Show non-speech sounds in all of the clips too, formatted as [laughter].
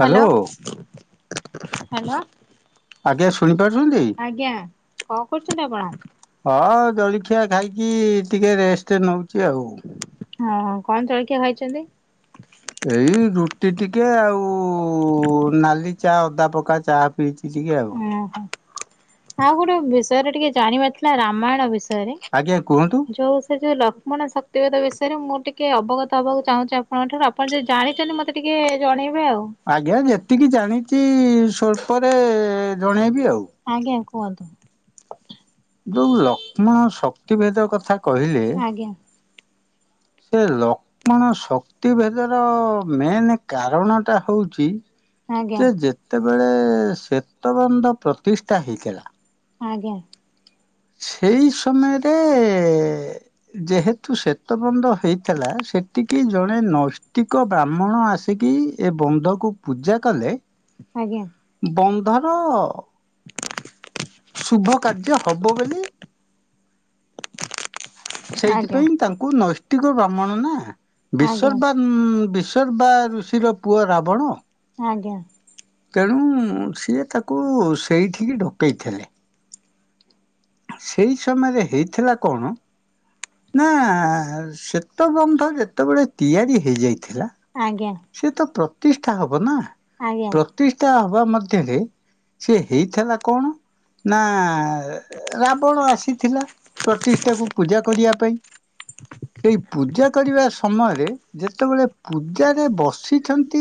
Hello hello ଆଜ୍ଞା ଶୁଣିପାରୁଛନ୍ତି? ଆଜ୍ଞା କଣ କରୁଛନ୍ତି ଆପଣ? ହଁ ଜଳଖିଆ ଖାଇକି ଟିକେ ରେଷ୍ଟ ନଉଛି ଆଉ ହଁ କଣ ଜଳଖିଆ ଖାଇଛନ୍ତି? ଏଇ ରୁଟି ଟିକ କେ ଆଉ ନାଲି ଚା ଅଦା ପକା ଚା ପିଇଚି ଟିକେ ଆଉ। ଓହୋ ଆଉ ଗୋଟେ ବିଷୟରେ ଟିକେ ଜାଣିବାର ଥିଲା ରାମାୟଣ ବିଷୟ ତେରୀ ଆଜ୍ଞା କୁହନ୍ତୁ ଯୋଉ ସେ ଯୋଉ ଲଖ ମଣ ଶକ୍ତିଭେଦ ବିଷୟରେ ମୁଁ ଟିକେ ଅବଗତ ହବାକୁ ଚାହୁଁଛି ଆପଣଙ୍କଠୁ ଆପଣ ଯଦି ଜାଣିଛନ୍ତି ମତେ ଟିକେ ଜଣେଇବେ ଆଉ ଆଜ୍ଞା ଯେତିକି ଜାଣିଛି ସ୍ୱଳ୍ପରେ ଜଣେଇବି ଆଉ। ଆଜ୍ଞା କୁହନ୍ତୁ। ଯୋଉ ଲକ୍ଷ୍ମଣ ଶକ୍ତିଭେଦ କଥା କହିଲେ ଆଜ୍ଞା ସେ ଲକ୍ଷ୍ମଣ ଶକ୍ତି ଭେଦର ମେନ୍ କାରଣ ଟା ହଉଛି ଆଜ୍ଞା ଯେ ଯେତେବେଳେ ସେତବନ୍ଧ ପ୍ରତିଷ୍ଠା ହେଇଥିଲା। ଆଜ୍ଞା। ସେଇ ସମୟରେ ଯେହେତୁ ଶ୍ଵେତ ବନ୍ଧ ହେଇଥିଲା। ସେଠିକି ଜଣେ ନୈଷ୍ଟିକ ବ୍ରାହ୍ମଣ ଆସିକି ଏ ବନ୍ଧକୁ ପୂଜା କଲେ ଆଜ୍ଞା ବନ୍ଧର ଶୁଭ କାର୍ଯ୍ୟ ହବ ବୋଲି [inaudible] ସେଇଥିପାଇଁ ଆଜ୍ଞା। ତାଙ୍କୁ ନୈଷ୍ଟିକ ବ୍ରାହ୍ମଣ ନା ଆଜ୍ଞା। ବିଶର୍ବାନ୍ ବିଶର୍ବା ଋଷିର ପୁଅ ରାବଣ ଆଜ୍ଞା। ତେଣୁ ସିଏ ତାକୁ ସେଇଠିକି ଡକେଇଥିଲେ। ସେଇ ସମୟରେ ହେଇଥିଲା କଣ? ନା ସେତ ବନ୍ଧ ଯେତେବେଳେ ତିଆରି ହେଇଯାଇଥିଲା। ଆଜ୍ଞା ସେ ତ ପ୍ରତିଷ୍ଠା ହବ ନା ଆଜ୍ଞା ପ୍ରତିଷ୍ଠା ହବା ମଧ୍ୟରେ ସେ ହେଇଥିଲା କଣ ନା ରାବଣ ଆସିଥିଲା ପ୍ରତିଷ୍ଠାକୁ ପୂଜା କରିବା ପାଇଁ ସେଇ ପୂଜା କରିବା ସମୟରେ ଯେତେବେଳେ ପୂଜା ରେ ବସିଛନ୍ତି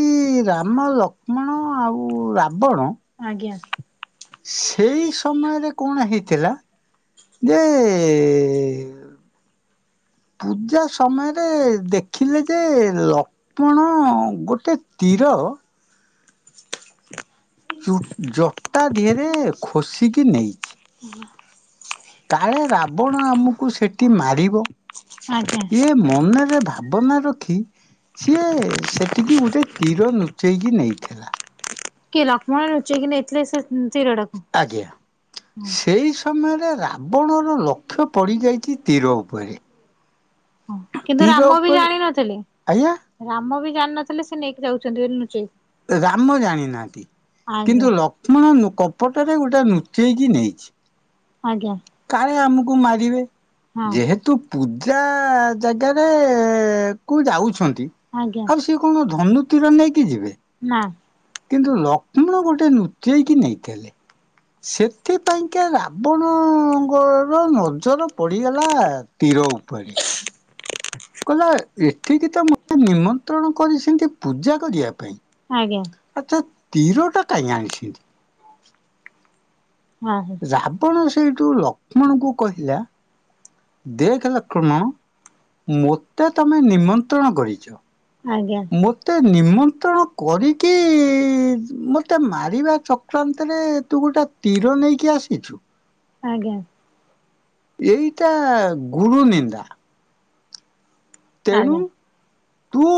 ରାମ ଲକ୍ଷ୍ମଣ ଆଉ ରାବଣ ଆଜ୍ଞା ସେଇ ସମୟରେ କଣ ହେଇଥିଲା ଯେ [inaudible] [inaudible] ପୂଜା ସମୟରେ ଦେଖିଲେ ଯେ ଲକ୍ଷ୍ମଣ ଗୋଟେ ତୀର [inaudible] [inaudible] ଜୋ ଜଟା ଦିହରେ ଖୋସିକି ନେଇଛି। କାଳେ ରାବଣ ଆମକୁ ସେଠି ମାରିବ ଆଜ୍ଞା। ଇଏ ମନରେ ଭାବନା ରଖି ସିଏ ସେଠିକି ଗୋଟେ ତୀର ନୁଚେଇ କି ନେଇଥିଲା। କିଏ ଲକ୍ଷ୍ମଣ ଲୁଚେଇକି ନେଇଥିଲେ ସେ ସେରଡକ ଆଜ୍ଞା ସେଇ ସମୟରେ ରାବଣର ଲକ୍ଷ୍ୟ ପଡିଯାଇଛି ତୀର ଉପରେ କିନ୍ତୁ ତୀର ରାମ ବି ଉପରେ ଜାଣିନଥିଲେ ଆଜ୍ଞା ରାମ ବି ଜାଣିନଥିଲେ ସେ ନେଇକି ଯାଉଚନ୍ତି ବୋଲି ଲୁଚେଇକି। ରାମ ଜାଣି ନାହାନ୍ତି। ଆଜ୍ଞା କିନ୍ତୁ ଲକ୍ଷ୍ମଣ ନୁ କପଟରେ ଗୋଟେ ନୁଚେଇକି ନେଇଚି। ଆଜ୍ଞା କାଳେ ଆମକୁ ମାରିବେ ହଁ। ଯେହେତୁ ପୂଜା ଜାଗାରେ କୁ ଯାଉଛନ୍ତି ଆଜ୍ଞା ଆଉ ସିଏ କଣ ଧନୁତୀର ନେଇକି ଯିବେ। ନାଁ କିନ୍ତୁ ଲକ୍ଷ୍ମଣ ଗୋଟେ ନୁଚେଇକି ନେଇଥିଲେ। ସେଥିପାଇଁକା ରାବଣଙ୍କର ନଜର ପଡିଗଲା ତି ର ଉପରେ କହିଲା ଏଠିକି ତ ମତେ ନିମନ୍ତ୍ରଣ କରିସିନ୍ତି ପୂଜା କରିବା ପାଇଁ। ଆଜ୍ଞା ଆଚ୍ଛା ତୀର ଟା କାଇଁ ଆଣିସିନ୍ତି। ହଁ ରାବଣ ସେଇଠୁ ଲକ୍ଷ୍ମଣଙ୍କୁ କହିଲା ଦେଖ ଲକ୍ଷ୍ମଣ ମୋତେ ତମେ ନିମନ୍ତ୍ରଣ କରିଚ। ଆଜ୍ଞା ଆଜ୍ଞା। ମୋତେ ନିମନ୍ତ୍ରଣ କରିକି ମତେ ମାରିବା ଚକ୍ରାନ୍ତ ରେ ତୁ ଗୋଟେ ତୀର ନେଇକି ଆସିଛୁ। ଆଜ୍ଞା ଏଇଟା ଗୁରୁନିନ୍ଦା ତେଣୁ ତୁ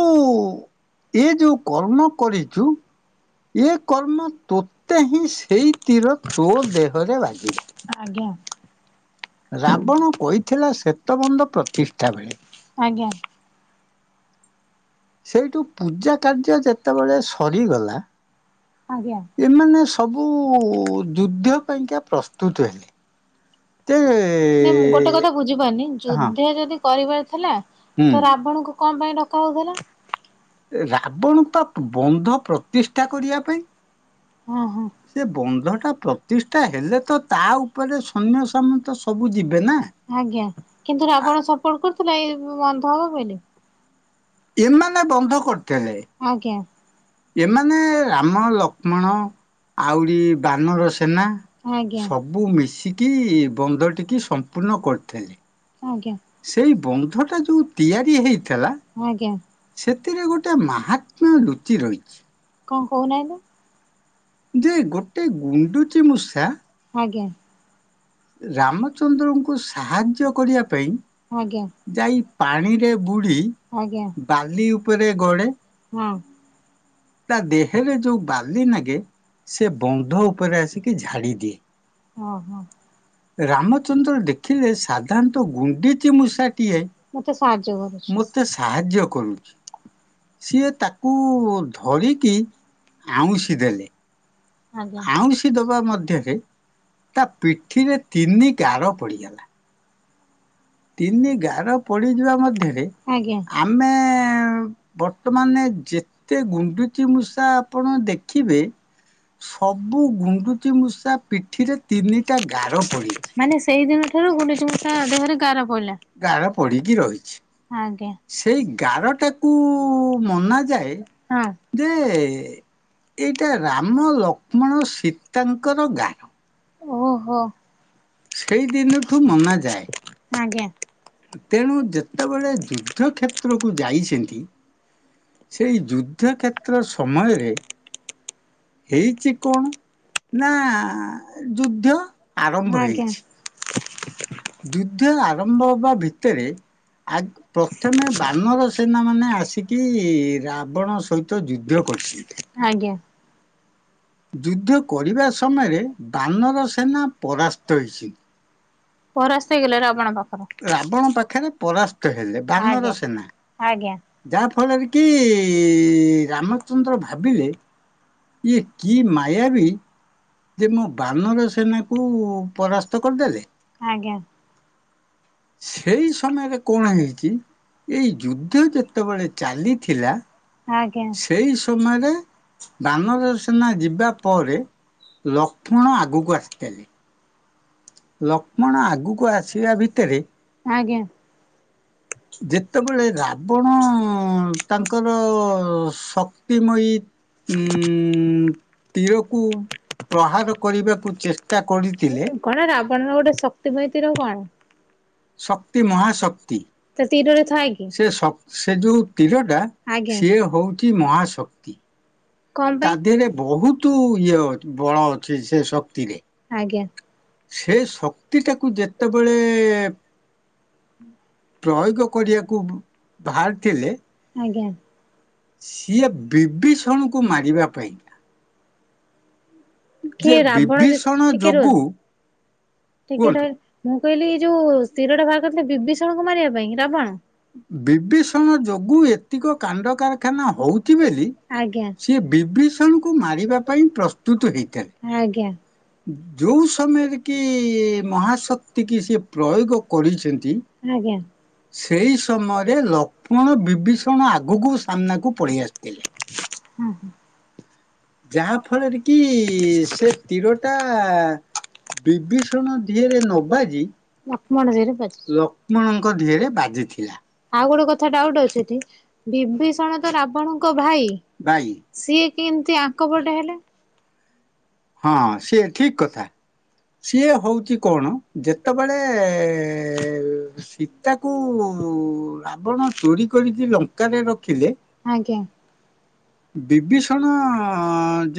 ଏ ଯୋଉ କର୍ମ କରିଚୁ ଏ କର୍ମ ସେଇ ତୀର ତୋ ଦେହରେ ବାଜିବ [inaudible] ଆଜ୍ଞା ରାବଣ କହିଥିଲା ଶ୍ଵେତବନ୍ଧ ପ୍ରତିଷ୍ଠା ବେଳେ ଆଜ୍ଞା ସେଇଠୁ ପୂଜା କାର୍ଯ୍ୟ ଯେତେବେଳେ ସରିଗଲା ଆଜ୍ଞା। ଏମାନେ ସବୁ ଯୁଦ୍ଧ୍ୟ ପାଇଁକା ପ୍ରସ୍ତୁତ ହେଲେ। ତେ ନାଇଁ ମୁଁ ଗୋଟେ କଥା ବୁଝିପାରୁନି ହଁ ଯୁଦ୍ଧ ଯଦି କରିବାର ଥିଲା ତ ହୁଁ। ରାବଣଙ୍କୁ କଁ ପାଇଁ ଡକା ହଉଥିଲା ରାବଣ ପା ତା ବନ୍ଧ ପ୍ରତିଷ୍ଠା କରିବା ପାଇଁ ହଁ ହଁ। ସେ ବନ୍ଧ ଟା ପ୍ରତିଷ୍ଠା ହେଲେ ତ ତା ଉପରେ ସୈନ୍ୟ ସାମନ୍ତ ସବୁ ଯିବେ ନା। ଆଜ୍ଞା କିନ୍ତୁ ରାବଣ ସପୋର୍ଟ କରୁଥିଲା ଏଇ ବନ୍ଧ ହବ ବୋଲି ଏମାନେ ବନ୍ଧ କରିଥିଲେ ଆଜ୍ଞା ଏମାନେ ରାମ ଲକ୍ଷ୍ମଣ ଆଉରି ବାନର ସେନା ଆଜ୍ଞା ସବୁ ମିଶିକି ବନ୍ଧ ଟିକି ସମ୍ପୂର୍ଣ୍ଣ କରିଥିଲେ। ଆଜ୍ଞା ସେଇ ବନ୍ଧ ଟା ଯୋଉ ତିଆରି ହେଇଥିଲା ଆଜ୍ଞା ସେଥିରେ ଗୋଟେ ମାହାତ୍ମା ଲୁଚି ରହିଚି। କଣ କହୁନାହାନ୍ତି। ଯେ ଗୋଟେ ଗୁଣ୍ଡୁଚି ମୂଷା ଆଜ୍ଞା ରାମଚନ୍ଦ୍ରଙ୍କୁ ସାହାଯ୍ୟ କରିବା ପାଇଁ ଆଜ୍ଞା ଯାଇ ପାଣିରେ ବୁଡି ଆଜ୍ଞା ବାଲି ଉପରେ ଗଡ଼େ ହଁ ତା ଦେହେରେ ଯୋଉ ବାଲି ନାଗେ ସେ ବନ୍ଧ ଉପରେ ଆସିକି ଝାଡି ଦିଏ। ହ ହ ରାମଚନ୍ଦ୍ର ଦେଖିଲେ ସାଧାରଣତଃ ସାଧାରଣ ଗୁଣ୍ଡିଚି ଗୁଣ୍ଡୁଚିମୂଷା ମୂଷାଟିଏ ଟିଏ ମତେ ସାହାଯ୍ୟ କରୁଚି ମୋତେ ମତେ ସାହାଯ୍ୟ କରୁଛି। କରୁଚି। ସିଏ ତାକୁ ଧରିକି ଆଉଁସି ଦେଲେ। ଆଜ୍ଞା ଆଉଁସି ଦବା ମଧ୍ୟରେ ତା ପିଠିରେ ତିନି ଗାର ପଡିଗଲା। ତିନି ଗାର ପଡିଯିବା ମଧ୍ୟରେ ଆଜ୍ଞା ଆମେ। ବର୍ତ୍ତମାନ ଯେତେ ଗୁଣ୍ଡୁଚିମୂଷା ଆପଣ ଦେଖିବେ। ସବୁ ଗୁଣ୍ଡୁଚିମୂଷା ପିଠିରେ ତିନିଟା ଗାର ପଡିଛି। ମାନେ ସେଇ ଦିନ ଠାରୁ ଗୁଣ୍ଡୁଚିମୂଷା ଦେହରେ ଗାର ପଇଲା। ଗାର ପଡ଼ିକି ରହିଛି। ଆଜ୍ଞା ସେଇ ଗାରଟାକୁ ମନାଯାଏ ହଁ ଯେ ଏଇଟା ରାମ ଲକ୍ଷ୍ମଣ ସୀତାଙ୍କର ଗାର। ଓହୋ ସେଇ ଦିନଠୁ ମନାଯାଏ। ଆଞା। ତେଣୁ ଯେତେବେଳେ ଯୁଦ୍ଧକ୍ଷେତ୍ରକୁ ଯାଇଛନ୍ତି। ସେଇ ଯୁଦ୍ଧକ୍ଷେତ୍ର ସମୟରେ ହେଇଛି କଣ? ନା ଯୁଦ୍ଧ ଆରମ୍ଭ ଆଜ୍ଞା ହେଇଛି। [unintelligible] ଯୁଦ୍ଧ ଆରମ୍ଭବା ଭିତରେ ଆ ପ୍ରଥମେ ବାନର ସେନା ମାନେ ଆସିକି ରାବଣ ସହିତ ଯୁଦ୍ଧ କରିଛିନ୍ତି। ଆଜ୍ଞା ଯୁଦ୍ଧ କରିବା ସମୟରେ ବାନର ସେନା ପରାସ୍ତ ହୋଇଛି। ପରାସ୍ତ ହେଇଗଲେ ରାବଣ ର। ରାବଣ ପାଖରେ ପରାସ୍ତ ହେଲେ ଭାନର ଆଜ୍ଞା ସେନା ଆଜ୍ଞା ଯାହା ଫଳରେ କି ରାମଚନ୍ଦ୍ର ଭାବିଲେ ଏ କି ମାୟାବୀ ଯେ ମୋ ବାନର ସେନାକୁ ପରାସ୍ତ କରିଦେଲେ। ଆଜ୍ଞା ସେଇ ସମୟରେ କଣ ହେଇଛି ଏଇ ଯୁଦ୍ଧ ଯେତେବେଳେ ଚାଲିଥିଲା। ଆଜ୍ଞା ସେଇ ସମୟରେ ବାନରସେନା ଯିବା ପରେ। ଲକ୍ଷ୍ମଣ ଆଗକୁ ଆସିଥିଲେ। ଲକ୍ଷ୍ମଣ ଆଗକୁ ଆସିବା ଭିତରେ ଆଜ୍ଞା ଯେତେବେଳେ ରାବଣ ତାଙ୍କର ଶକ୍ତିମୟୀ ଉମ୍ ତୀରକୁ। ସହାୟ କରିବାକୁ ଚେଷ୍ଟା କରିଥିଲେ, କଣ ରାବଣର ଗୋଟେ ଶକ୍ତିବୈ। ତିରକୋଣ ଶକ୍ତି ମହାଶକ୍ତି। ତୀରରେ ଥାଏ କି? ସେ ସେ ଯୋଉ ତୀରଟା ଆଜ୍ଞା ସିଏ ହଉଛି ମହାଶକ୍ତି। କଣ ତା ପାଇଁ? ଦେହରେ ବହୁତ ଇଏ ବଳ ଅଛି ସେ ଶକ୍ତିରେ। ଆଜ୍ଞା ସେ ଶକ୍ତିଟାକୁ ଯେତେବେଳେ ପ୍ରୟୋଗ କରିବାକୁ ବାହାରିଥିଲେ। ଆଜ୍ଞା ସିଏ ବିଭୀଷଣକୁ ମାରିବା ପାଇଁ ଯେ କିଏ ରାବଣ ଯେ ବିଭୀଷଣ ଟିକେ ରୁହ ଯୋଗୁଁ ଟିକେ ରହିଲ ମୁଁ କହିଲି ଏଇ ଯୋଉ ତୀରଟା ବାହାର କରିଥିଲେ ବିଭୀଷଣକୁ ମାରିବା ପାଇଁ ରାବଣ ବିଭୀଷଣ ଯୋଗୁଁ ଏତିକ କାଣ୍ଡ କାରଖାନା ହଉଛି ବୋଲି ଆଜ୍ଞା ସିଏ ବିଭୀଷଣକୁ ମାରିବା ପାଇଁ ପ୍ରସ୍ତୁତ ହୋଇଥିଲେ। ଆଜ୍ଞା। ଯୋଉ ସମୟରେ କି ମହାଶକ୍ତି କି ସେ ପ୍ରୟୋଗ କରିଛନ୍ତି। ଆଜ୍ଞା ସେଇ ସମୟରେ ଲକ୍ଷ୍ମଣ ବିଭୀଷଣ ଆଗକୁ ସାମ୍ନାକୁ ପଳେଇ ଆସିଥିଲେ। ହୁଁ ହୁଁ। ଯାହା ଫଳରେ କି ସେ ତୀର ଟା ବିଭୀଷଣ ଦିହେରେ ନବାଜି ମୁଣ୍ଡରେ ବାଜିଛି ବାଜିଥିଲା। ଆଉ ଗୋଟେ କଥା ଥା ଡାଉଟ ଅଛିଟି ବିଭୀଷଣ ତ ରାବଣଙ୍କ ଭାଇ ବାଇ ସିଏ କେମତି ଆଙ୍କ ପଟେ ହେଲେ। ହଁ ସେ ଠିକ କଥା। ସିଏ ହଉଛି କଣ ଯେତେବେଳେ ସୀତାକୁ ରାବଣ ଚୋରି କରିକି ଲଙ୍କାରେ ରଖିଲେ ଆଜ୍ଞା। ବିଭୀଷଣ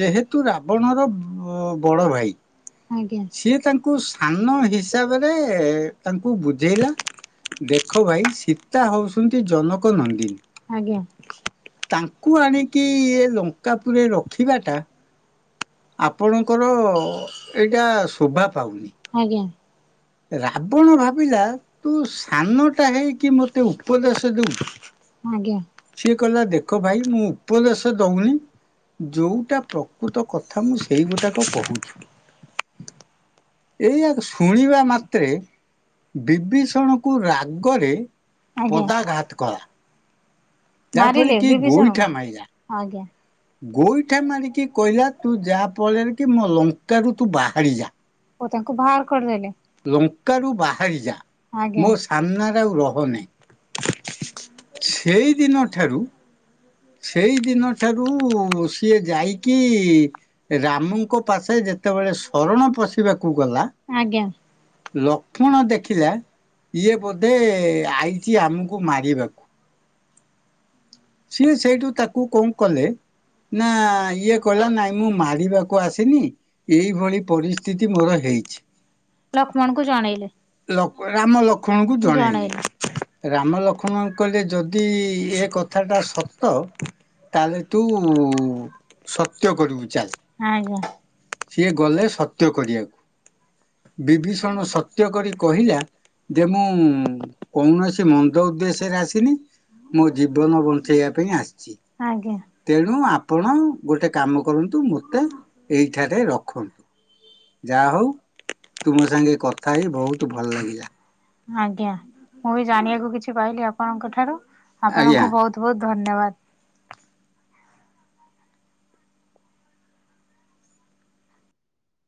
ଯେହେତୁ ରାବଣର ବଡ ଭାଇ ଆଜ୍ଞା। ସିଏ ତାଙ୍କୁ ସାନ ହିସାବରେ ତାଙ୍କୁ ବୁଝେଇଲା। ଦେଖ ଭାଇ ସୀତା ହଉଛନ୍ତି ଜନକ ନନ୍ଦିନୀ ଆଜ୍ଞା ଆଜ୍ଞା ତାଙ୍କୁ ଆଣିକି ଇଏ ଲଙ୍କା ପରେ ରଖିବା ଟା ଆପଣଙ୍କର ଏଇଟା ଶୋଭା ପାଉନି। ଆଜ୍ଞା ରାବଣ ଭାବିଲା ତୁ ସାନଟା ହେଇକି ମୋତେ ଉପଦେଶ ଦେଉଛୁ। ସିଏ କହିଲା ଦେଖ ଭାଇ ମୁଁ ଉପଦେଶ ଦଉନି ଯୋଉଟା ପ୍ରକୃତ କଥା ମୁଁ ସେଇଗୁଟାକ କହୁଛି। [inaudible] ଏଇଆା ଶୁଣିବା ମା ତ୍ରେ ବିବିଷଣ କୁ ରାଗରେ ଆଜ୍ଞା ପଦାଘାତ କଲା। ମାରିଲେ ଯାହାଫଳ କି ବିଭୀଷଣ ଗୋଇଠା ମାରଲାା। ଆଜ୍ଞା ଗୋଇଠା ମାରିକି କହିଲା ତୁ ଯା ଫଳରେ କି ମୋ ଲଙ୍କାରୁ ତୁ ବାହାରି ଯା। ଓ ତାଙ୍କୁ ବାହାର କରିଦେଲେ? ଲଙ୍କାରୁ ବାହାରିଯା ଆଜ୍ଞା ମୋ ସାମ୍ନାରେ ଆଉ ରହନେ। ସେଇ ଦିନ ଠାରୁ ସେଇ ଦିନ ଠାରୁ ସିଏ ଯାଇକି ରାମଙ୍କ ପାଶେ ଯେତେ ଯେତେବେଳେ ଶରଣ ପଶିବାକୁ ଗଲା ଆଜ୍ଞା। ଲକ୍ଷ୍ମଣ ଦେଖିଲା ଇଏ ବୋଧେ ଆଇଛି ଆମକୁ ମାରିବାକୁ। ସିଏ ସେଇଠୁ ତାକୁ କଣ କଲେ ନା ଇଏ କହିଲା ନାଇଁ ମୁଁ ମାରିବାକୁ ଆସିନି ଏଇଭଳି ପରିସ୍ଥିତି ମୋର ହେଇଛି। ଲକ୍ଷ୍ମଣଙ୍କୁ ଜଣେଇଲେ। ଲକ୍ଷ୍ମ ରାମ ଲକ୍ଷ୍ମଣ ଣଙ୍କୁ ଜଣେଇଲେ। ରାମ ଲକ୍ଷ୍ମଣ କହିଲେ ଯଦି ଏ କଥାଟା ସତ ତ ତାହେଲେ ତୁ ସତ୍ୟ କରିବୁ ଚାଲ୍। ଆଜ୍ଞା ସିଏ ଗଲେ ସତ୍ୟ କରିବାକୁ ବିଭୀଷଣ ସତ ତ୍ଯ କରି କହିଲା ଯେ ମୁଁ କୌଣସି ମନ୍ଦ ଉଦ୍ଦେଶ୍ୟରେ ଆସିନି। ମୋ ଜୀବନ ବଞ୍ଚେଇବା ପାଇଁ ଆସିଚି। ଆଜ୍ଞା ତେଣୁ ଆପଣ ଗୋଟେ କାମ କରନ୍ତୁ ମୋତେ ଏଇ ଠାରେ ରଖନ୍ତୁ। ଯାହା ହଉ ତୁମ ସାଙ୍ଗେ କଥା ହେଇ ବହୁତ ଭଲ ଲାଗିଲା। ଆଜ୍ଞା ମୁଁ ବି ଜାଣିବାକୁ କିଛି ପାଇଲିି ଆପଣଙ୍କ ଠାରୁ ଆଜ୍ଞା ଆପଣଙ୍କୁ ବହୁତ ବହୁତ୍ ଧନ୍ୟବାଦ।